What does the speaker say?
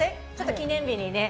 記念日に。